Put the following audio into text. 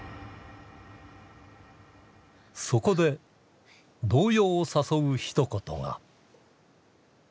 そこで動揺を誘うひと言が。